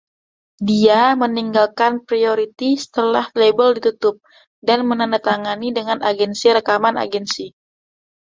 Dia meninggalkan Priority setelah label ditutup dan menandatangani dengan Agensi Rekaman Agensi.